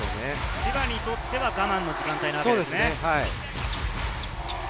千葉にとっては我慢の時間帯ということですね。